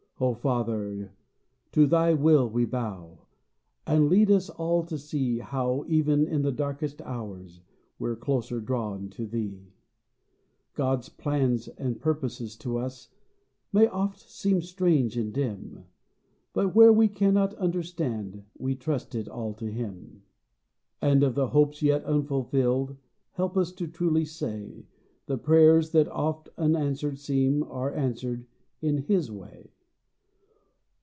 O Father ! to Thy will we bow ! And lead us all to see How, even in the darkest hours. We're closer drawn to Thee. God's plans and purposes to us May oft seem strange and dim ; But where we cannot understand. We trust it all to Him. 67 CONSECRA TION. And of the hopes, yet unfulfilled, Help us to truly say, The prayers that oft unanswered seem Are answered in His way.